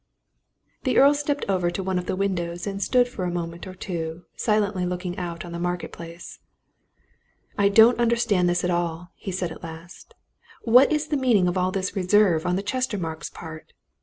The Earl stepped over to one of the windows, and stood for a moment or two silently looking out on the Market Place. "I don't understand this at all," he said at last. "What is the meaning of all this reserve on the Chestermarkes' part?